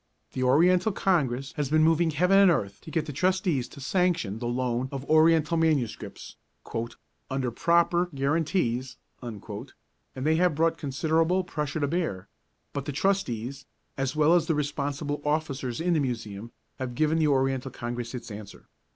The Oriental Congress have been moving heaven and earth to get the Trustees to sanction the loan of Oriental Manuscripts 'under proper guarantees,' and they have brought considerable pressure to bear; but the Trustees, as well as the responsible officers in the Museum, have given the Oriental Congress its answer.